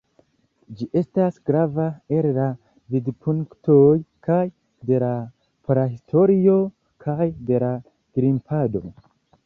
Ĝi estas grava el la vidpunktoj kaj de la prahistorio kaj de la grimpado.